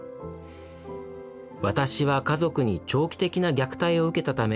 私は家族に長期的な虐待を受けたため逃げました。